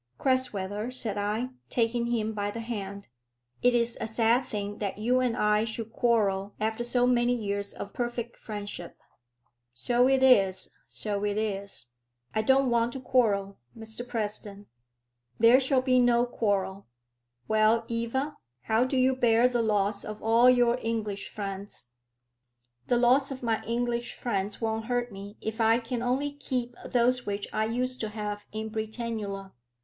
"Crasweller," said I, taking him by the hand, "it is a sad thing that you and I should quarrel after so many years of perfect friendship." "So it is; so it is. I don't want to quarrel, Mr President." "There shall be no quarrel. Well, Eva, how do you bear the loss of all your English friends?" "The loss of my English friends won't hurt me if I can only keep those which I used to have in Britannula."